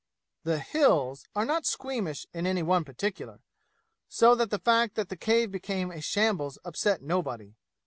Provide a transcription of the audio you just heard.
The "Hills" are not squeamish in any one particular; so that the fact that the cave became a shambles upset nobody.